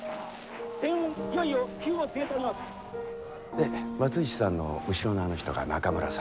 で松内さんの後ろのあの人が中村さん。